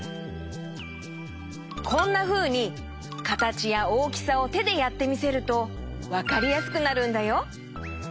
こんなふうにかたちやおおきさをてでやってみせるとわかりやすくなるんだよ。